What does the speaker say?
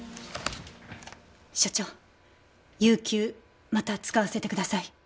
所長有休また使わせてください。